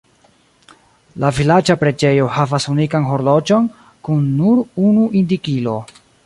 La vilaĝa preĝejo havas unikan horloĝon kun nur unu indikilo.